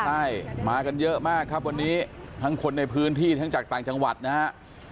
ใช่มากันเยอะมากครับวันนี้ทั้งคนในพื้นที่ทั้งจากต่างจังหวัดนะฮะ